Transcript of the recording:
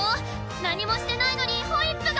何もしてないのにホイップが！